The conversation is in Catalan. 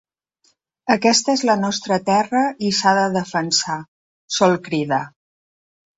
Aquesta és la nostra terra i s’ha de defensar, sol cridar.